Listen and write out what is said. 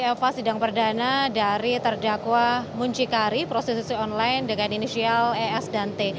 eva sidang perdana dari terdakwa muncikari prostitusi online dengan inisial es dan t